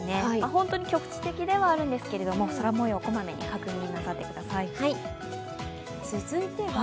本当に局地的ではあるんですが、空もよう、こまめに確認なさってください。